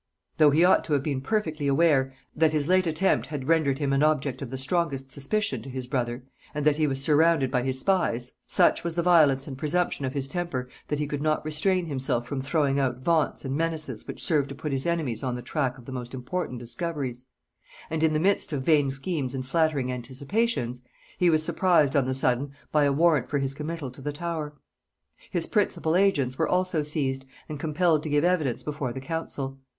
Though he ought to have been perfectly aware that his late attempt had rendered him an object of the strongest suspicion to his brother, and that he was surrounded by his spies, such was the violence and presumption of his temper, that he could not restrain himself from throwing out vaunts and menaces which served to put his enemies on the track of the most important discoveries; and in the midst of vain schemes and flattering anticipations, he was surprised on the sudden by a warrant for his committal to the Tower. His principal agents were also seized, and compelled to give evidence before the council.